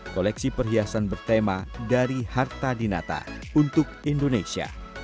koleksi perhiasan bertema dari harta dinata untuk indonesia